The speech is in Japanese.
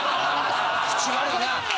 口悪いな！